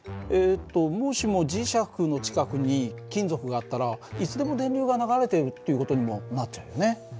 もしも磁石の近くに金属があったらいつでも電流が流れてるっていう事にもなっちゃうよね。